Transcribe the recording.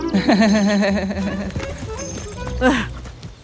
ternyata dia belum belajar apapun